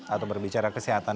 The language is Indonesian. atau berbicara kesehatan